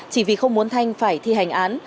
chỉ vì không muốn thanh phải thi hành án